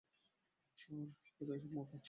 এরা সব মাতাল।